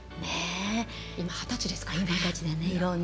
今、二十歳ですからね。